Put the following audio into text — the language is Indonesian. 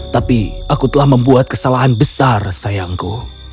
tapi aku telah membuat kesalahan besar sayangku